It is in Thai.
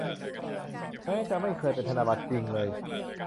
แม้จะไม่เคยเป็นธนบัตรจริงเลย